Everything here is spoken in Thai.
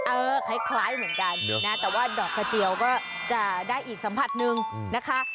คล้ายเหมือนกันนะแต่ว่าดอกกระเจียวก็จะได้อีกสัมผัสหนึ่งนะคะ